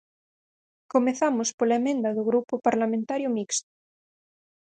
Comezamos pola emenda do Grupo Parlamentario Mixto.